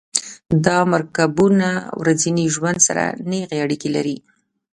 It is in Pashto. دا مرکبونه ورځني ژوند سره نیغې اړیکې لري.